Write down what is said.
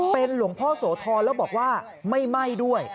เป็นหลวงพ่อโสธรแล้วบอกว่าไม่ไหม้ด้วย